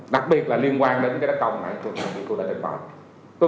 đặc biệt là liên quan đến cái đất công